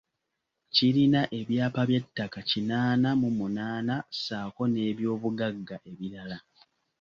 Kirina ebyapa by’ettaka kinaana mu munaana ssaako n’ebyobugagga ebirala.